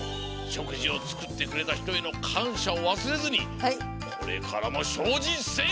しょくじをつくってくれたひとへのかんしゃをわすれずにこれからもしょうじんせい！